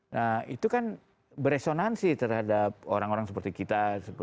nah itu kan beresonansi terhadap orang orang seperti kita